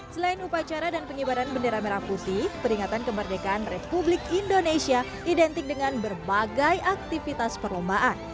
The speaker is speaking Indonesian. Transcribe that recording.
selain upacara dan pengibaran bendera merah putih peringatan kemerdekaan republik indonesia identik dengan berbagai aktivitas perlombaan